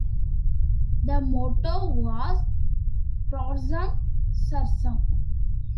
The motto was "Prorsum sursum".